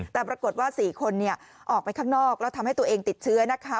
แต่ปรากฏว่า๔คนออกไปข้างนอกแล้วทำให้ตัวเองติดเชื้อนะคะ